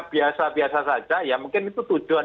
biasa biasa saja ya mungkin itu tujuan